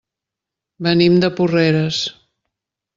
Venim de Porreres.